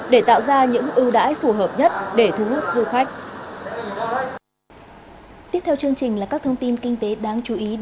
để tạo ra những ưu đãi phù hợp nhất để thu hút du khách